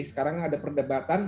sekarang ada perdebatan